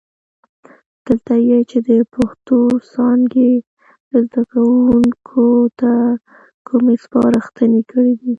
دلته یې چې د پښتو څانګې زده کوونکو ته کومې سپارښتنې کړي دي،